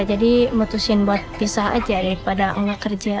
jadi memutuskan buat pisah aja daripada nggak kerja